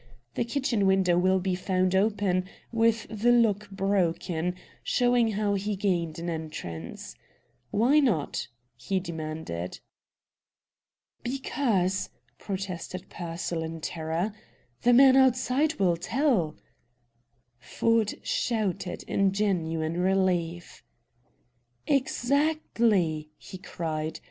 The kitchen window will be found open, with the lock broken, showing how he gained an entrance. Why not?" he demanded. "Because," protested Pearsall, in terror, "the man outside will tell " Ford shouted in genuine relief. "Exactly!" he cried.